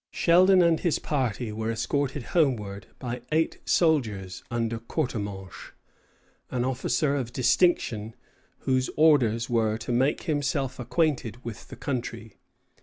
Sheldon and his party were escorted homeward by eight soldiers under Courtemanche, an officer of distinction, whose orders were to "make himself acquainted with the country."